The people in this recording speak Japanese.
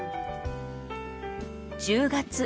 １０月。